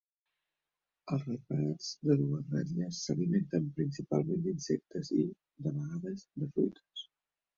Els ratpenats de dues ratlles s'alimenten principalment d'insectes i, de vegades, de fruites.